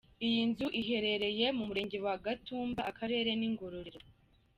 Iyi nzu iherereye mu Murenge wa Gatumba, Akarere ni Ngororero.